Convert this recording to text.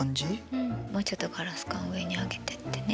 うんもうちょっとガラス管上に上げてってね。